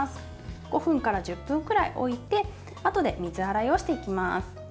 ５分から１０分くらい置いてあとで水洗いをしていきます。